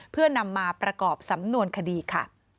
เพื่อนำมาประกอบสำนวนคดีค่ะ